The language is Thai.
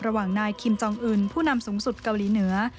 ระหว่างนายคิมจองอื่นผู้นำสูงสุดเกาหลีเหนือ